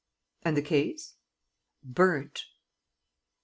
"And the case?" "Burnt."